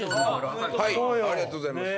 ありがとうございます。